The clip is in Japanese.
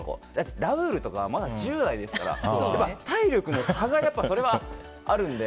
ラウールとかまだ１０代ですから体力の差がそれはあるんで。